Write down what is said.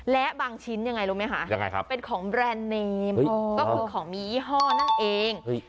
และบางชิ้นยังไงรู้ไหมคะเป็นของแบรนด์เนมก็คือของมียี่ห้อนั่นเอง